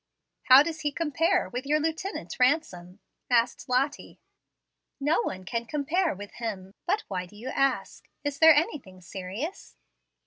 "How does he compare with your Lieutenant Ransom?" asked Lottie. "No one can compare with him. But why do you ask? Is there anything serious?"